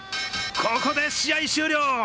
ここで試合終了。